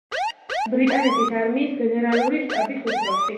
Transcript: ბრიტანეთის არმიის გენერალური შტაბის უფროსი.